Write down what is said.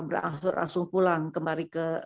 berangsur langsung pulang kembali ke